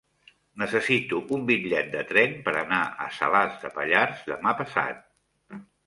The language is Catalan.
Necessito un bitllet de tren per anar a Salàs de Pallars demà passat.